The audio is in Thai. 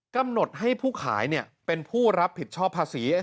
กำหนดให้ผู้ขายเป็นผู้รับผิดชอบภาษี